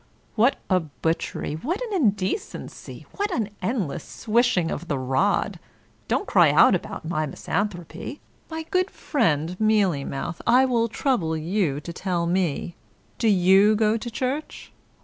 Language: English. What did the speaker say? What a butchery, what an indecency, what an endless swishing of the rod! Don't cry out about my misanthropy. My good friend Mealymouth, I will trouble you to tell me, do you go to church?